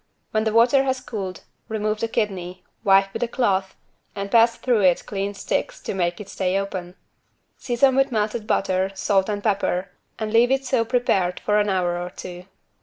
When the water has cooled, remove the kidney, wipe with a cloth, and pass through it clean sticks to make it stay open. Season with melted butter, salt and pepper and leave it so prepared for an hour or two.